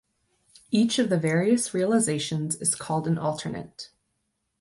Each of the various realizations is called an alternant.